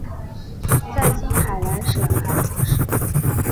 在今海南省海口市。